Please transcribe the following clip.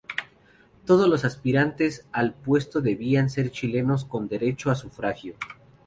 Todos los aspirantes al puesto debían ser chilenos con derecho a sufragio.